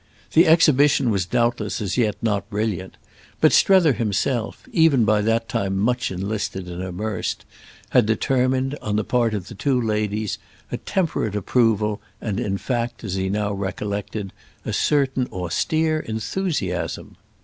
The exhibition was doubtless as yet not brilliant, but Strether himself, even by that time much enlisted and immersed, had determined, on the part of the two ladies, a temperate approval and in fact, as he now recollected, a certain austere enthusiasm.